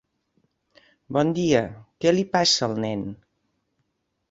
Bon dia, què li passa al nen?